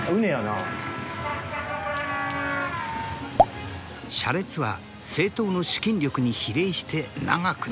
車列は政党の資金力に比例して長くなる。